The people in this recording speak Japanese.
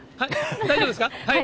大丈夫ですか？